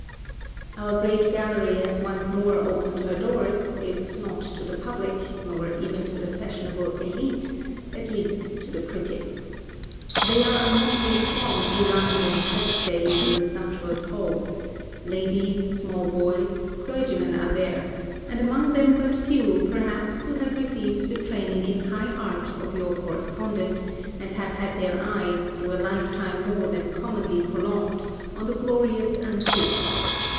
OUR great gallery has once more opened her doors, if not to the public, nor even to the fashionable élite, at least to the critics. They are a motley throng who lounge on Press Days in the sumptuous halls; ladies, small boys, clergymen are there, and among them but few, perhaps, who have received the training in High Art of your correspondent, and have had their eye, through a lifetime more than commonly prolonged, on the glorious Antique.